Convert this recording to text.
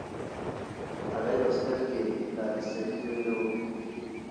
هغه يو سترګې لا د سړي زوی نه وو.